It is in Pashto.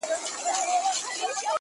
چي هر څه یې په دانو خواري ایستله!!